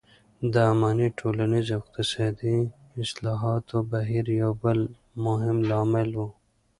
د اماني ټولنیز او اقتصادي اصلاحاتو بهیر یو بل مهم لامل و.